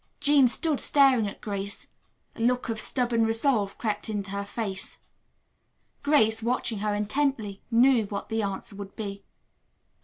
Jean stood staring at Grace. A look of stubborn resolve crept into her face. Grace, watching her intently, knew what the answer would be.